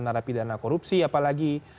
narapi dana korupsi apalagi